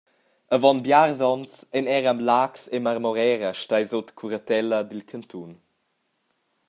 Avon biars onns ein era Laax e Marmorera stai sut curatella dil cantun.